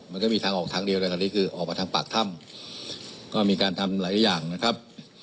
มันก็มีทางออกทางเดียวเลยตอนนี้คือออกมาทางปากถ้ำก็มีการทำหลายอย่างนะครับ